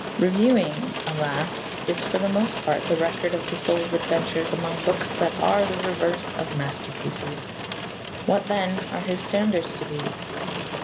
Reviewing, alas! is for the most part the record of the soul's adventures among books that are the reverse of masterpieces. What, then, are his standards to be?